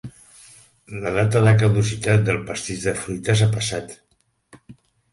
La data de caducitat del pastís de fruites ha passat.